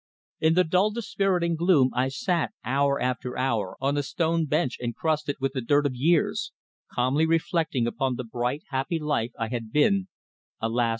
In the dull dispiriting gloom I sat hour after hour on the stone bench encrusted with the dirt of years, calmly reflecting upon the bright, happy life I had been, alas!